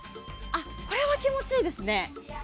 これは気持ちいいですね。